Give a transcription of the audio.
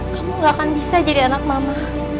kamu gak akan bisa jadi anak mama